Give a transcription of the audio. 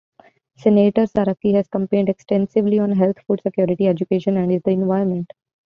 Senator Saraki has campaigned extensively on health, food security, education and the environment.